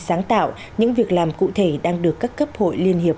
sáng tạo những việc làm cụ thể đang được các cấp hội liên hiệp